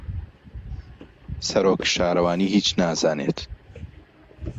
سەرۆک شارەوانی هیچ نازانێت.